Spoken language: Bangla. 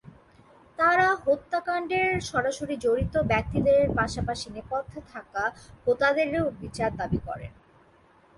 তাঁরা হত্যাকাণ্ডের সরাসরি জড়িত ব্যক্তিদের পাশাপাশি নেপথ্যে থাকা হোতাদেরও বিচার দাবি করেন।